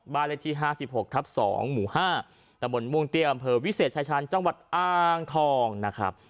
เลขที่๕๖ทับ๒หมู่๕ตะบนม่วงเตี้ยอำเภอวิเศษชายชาญจังหวัดอ้างทองนะครับ